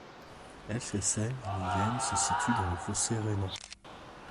Elchesheim-Illingen se situe dans le Fossé rhénan.